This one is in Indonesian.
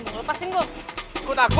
lepasin bisa gak sih go